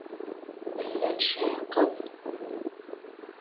Llan cehhqen.